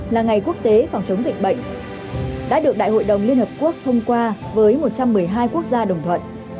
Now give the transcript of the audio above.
là ngày quốc tế phòng chống dịch bệnh đã được đại hội đồng liên hợp quốc thông qua với một trăm một mươi hai quốc gia đồng thuận